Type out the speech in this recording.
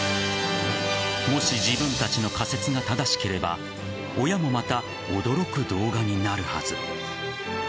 もし自分たちの仮説が正しければ親もまた、驚く動画になるはず。